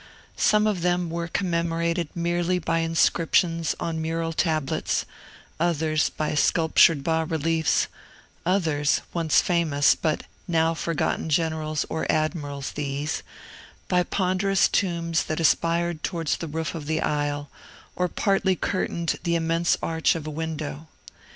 Some of them were commemorated merely by inscriptions on mural tablets, others by sculptured bas reliefs, others (once famous, but now forgotten generals or admirals, these) by ponderous tombs that aspired towards the roof of the aisle, or partly curtained the immense arch of a window.